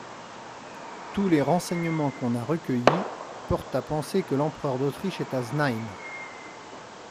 Tous les renseignemens qu'on a recueillis portent à penser que l'empereur d'Autriche est à Znaïm.